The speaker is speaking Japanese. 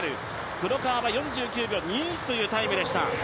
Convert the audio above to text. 黒川は、４９秒２１というタイム。